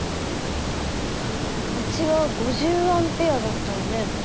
うちは５０Ａだったよね。